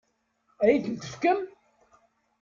Ad iyi-ten-tefkem?